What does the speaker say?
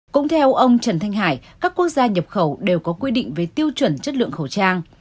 cũng theo ông trần thanh hải các quốc gia nhập khẩu đều có quy định về tiêu chuẩn chất lượng khẩu trang